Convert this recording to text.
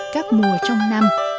các mùa trong năm